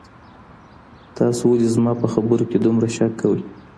تاسو ولي زما په خبرو کي دومره شک کوئ؟